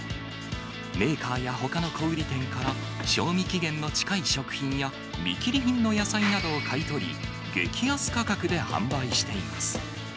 メーカーやほかの小売り店から、賞味期限の近い食品や見切り品の野菜などを買い取り、激安価格で販売しています。